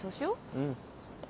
うん。